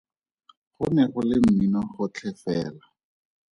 Go ne go le mmino gotlhe fela.